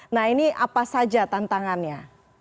nah ini apa saja tantangannya